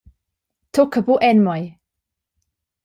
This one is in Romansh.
Tucca buca en mei!